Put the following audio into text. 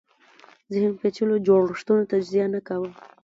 ذهن پېچلو جوړښتونو تجزیه نه کاوه